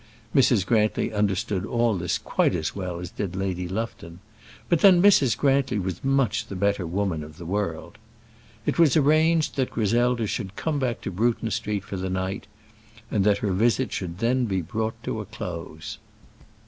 Mrs. Grantly understood all this quite as well as did Lady Lufton; but then Mrs. Grantly was much the better woman of the world. It was arranged that Griselda should come back to Bruton Street for that night, and that her visit should then be brought to a close.